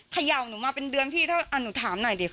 เขย่าหนูมาเป็นเดือนพี่ถ้าหนูถามหน่อยดิ